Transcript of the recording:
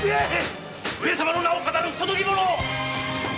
上様の名を騙る不届き者！